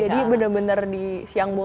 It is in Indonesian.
jadi bener bener di siang bola